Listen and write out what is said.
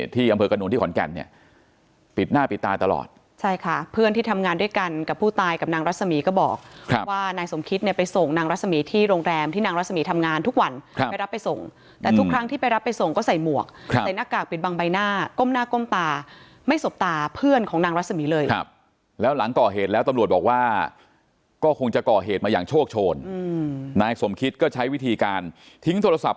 ที่ทำงานด้วยกันกับผู้ตายกับนางรสมีก็บอกว่านายสมคิตเนี่ยไปส่งนางรสมีที่โรงแรมที่นางรสมีทำงานทุกวันไปรับไปส่งแต่ทุกครั้งที่ไปรับไปส่งก็ใส่หมวกใส่หน้ากากเปลี่ยนบางใบหน้าก้มหน้าก้มตาไม่สบตาเพื่อนของนางรสมีเลยครับแล้วหลังก่อเหตุแล้วตำรวจบอกว่าก็คงจะก่อเหตุมาอย่างโชคโชนนายสมคิตก็ใช้วิ